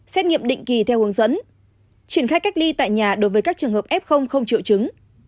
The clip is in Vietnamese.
xét nghiệm định kỳ theo hướng dẫn triển khai cách ly tại nhà đối với các trường hợp f không triệu chứng